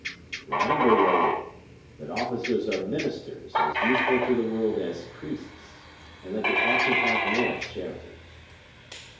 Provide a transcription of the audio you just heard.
Remember, Raoul, that officers are ministers as useful to the world as priests, and that they ought to have more charity."